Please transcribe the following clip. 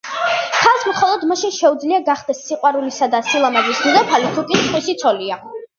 ქალს მხოლოდ მაშინ შეუძლია გახდეს სიყვარულისა და სილამაზის დედოფალი, თუკი სხვისი ცოლია.